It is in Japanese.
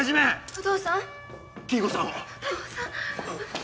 お父さん。